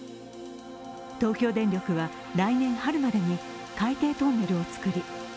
東京電力は来年春までに海底トンネルを造り